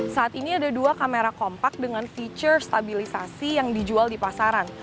saat ini ada dua kamera kompak dengan fitur stabilisasi yang dijual di pasaran